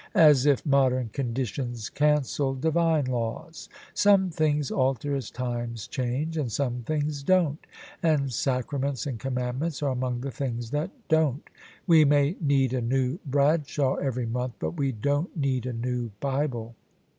As if modern conditions cancelled Divine lawsl Some things alter as times change, and some things don't: and Sacraments and Commandments are among the things that don't. We may need a new Bradshaw every month : but we don't need a new Bible."